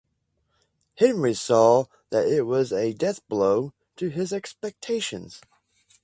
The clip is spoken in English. Henry saw that it was a death-blow to his expectations.